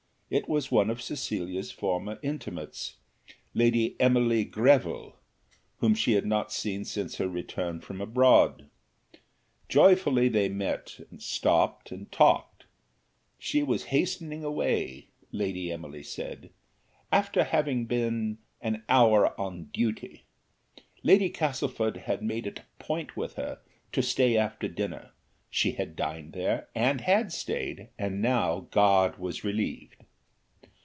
It was one of Cecilia's former intimates Lady Emily Greville, whom she had not seen since her return from abroad. Joyfully they met, and stopped and talked; she was hastening away, Lady Emily said, "after having been an hour on duty; Lady Castlefort had made it a point with her to stay after dinner, she had dined there, and had stayed, and now guard was relieved."